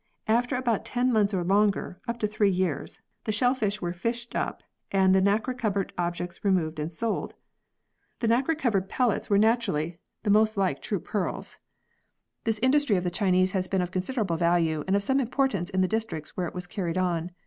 After about ten months or longer, up to three years, the shellfish were fished up and the nacre covered objects removed and sold. The nacre covered pellets were naturally the most v] PEARLS 67 like true pearls. This industry of the Chinese has been of considerable value and of some import ance in the districts where it was carried on.